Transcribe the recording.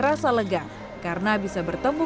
rasa lega karena bisa bertemu